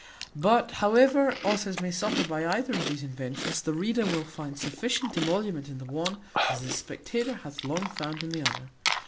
But however authors may suffer by either of these inventions, the reader will find sufficient emolument in the one as the spectator hath long found in the other.